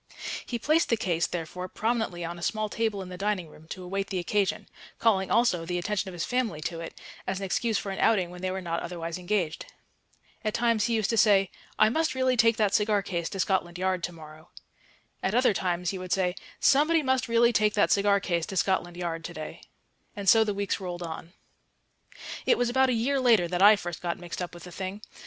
He placed the case, therefore, prominently on a small table in the dining room to await the occasion; calling also the attention of his family to it, as an excuse for an outing when they were not otherwise engaged. At times he used to say, "I must really take that cigar case to Scotland Yard to morrow." At other times he would say, "Somebody must really take that cigar case to Scotland Yard to day." And so the weeks rolled on.... It was about a year later that I first got mixed up with the thing.